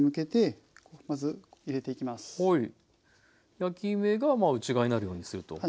焼き目が内側になるようにすると。